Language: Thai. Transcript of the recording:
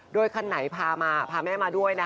โดยคันไหนพามาพาแม่มาด้วยนะ